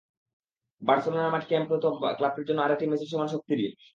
বার্সেলোনার মাঠ Nou Camp তো ক্লাবটির জন্য আরেকটি মেসির সমান শক্তিরই।